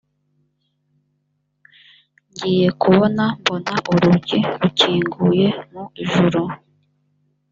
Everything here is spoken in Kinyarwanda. ngiye kubona mbona urugi rukinguye mu ijuru